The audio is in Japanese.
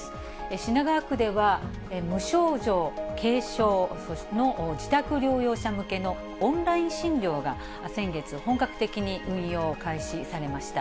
品川区では無症状、軽症の自宅療養者向けのオンライン診療が、先月、本格的に運用開始されました。